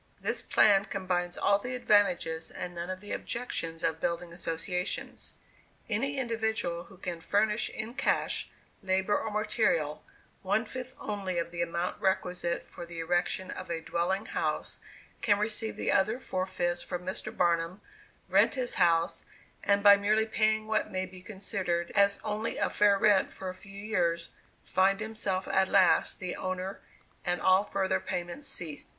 This plan combines all the advantages and none of the objections of Building Associations. Any individual who can furnish in cash, labor, or material, one fifth only of the amount requisite for the erection of a dwelling house, can receive the other four fifths from Mr. Barnum, rent his house and by merely paying what may be considered as only a fair rent for a few years, find himself at last the owner, and all further payments cease.